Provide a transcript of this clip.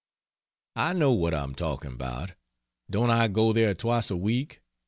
"I know what I'm talking about! don't I go there twice a week?